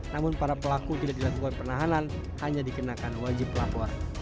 namun para pelaku tidak dilakukan penahanan hanya dikenakan wajib lapor